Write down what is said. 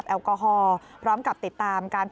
สวัสดีค่ะ